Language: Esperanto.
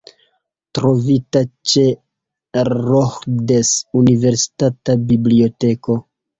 Trovita ĉe Rhodes Universitata Biblioteko.